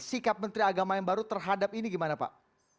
sikap menteri agama yang baru terhadap ini gimana pak